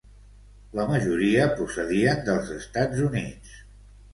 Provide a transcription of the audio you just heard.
La majoria procedien dels Estats Units.